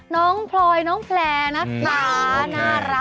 น้องพลอยน้องแผลร์นะคะ